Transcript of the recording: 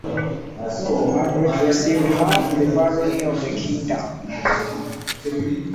Margaret received half the barony of Kendall.